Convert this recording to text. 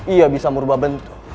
ia bisa merubah bentuk